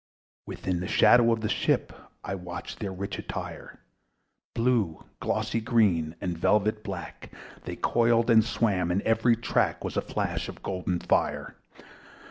Within the shadow of the ship I watched their rich attire: Blue, glossy green, and velvet black, They coiled and swam; and every track Was a flash of golden fire.